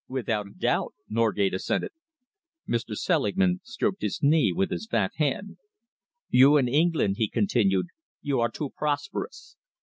"Without a doubt," Norgate assented. Mr. Selingman stroked his knee with his fat hand. "You in England," he continued, "you are too prosperous.